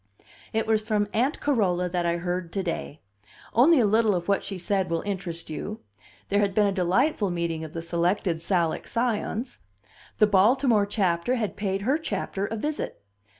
It was from Aunt Carola that I heard to day. Only a little of what she said will interest you. There had been a delightful meeting of the Selected Salic Scions. The Baltimore Chapter had paid her Chapter a visit.